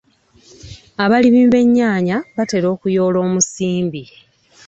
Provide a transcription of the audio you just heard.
Abalimi b'ennyaanya batera okuyoola omusimbi.